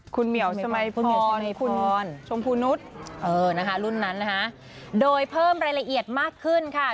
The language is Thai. คุณเหมียวสมัยพรคุณชมพูนุษย์โดยเพิ่มรายละเอียดมากขึ้นค่ะ